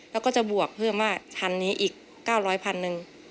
แล้วก็จะบวกเพิ่มว่าชั้นนี้อีก๙๐๐พันหนึ่ง